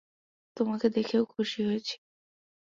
তোমাকে দেখেও খুশি হয়েছি।